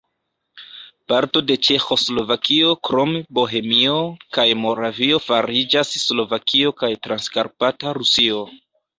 Parto de Ĉeĥoslovakio krom Bohemio kaj Moravio fariĝas Slovakio kaj Transkarpata Rusio.